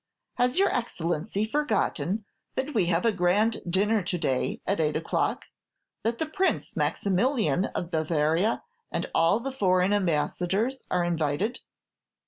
"Has your Excellency forgotten that we have a grand dinner to day, at eight o'clock; that the Prince Maximilian of Bavaria and all the foreign ambassadors are invited?"